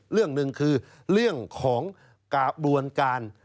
เรื่องหนึ่งคือเรื่องของกระบวนการ